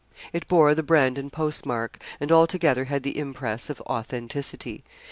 It bore the Brandon postmark, and altogether had the impress of authenticity.